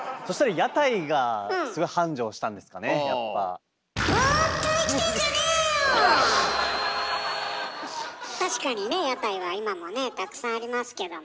屋台は今もねたくさんありますけども。